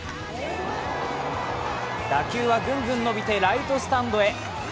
打球はぐんぐん伸びてライトスタンドへ。